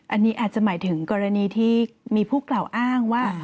อันนี้อาจจะหมายถึงกรณีที่มีผู้กล่าวอ้างว่า